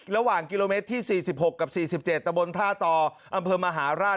ระหว่างกิโลเมตรที่สี่สิบหกกับสี่สิบเจ็ดตะบนท่าตออำเภอมหาราช